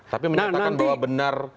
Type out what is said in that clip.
tapi menyebutkan bahwa benar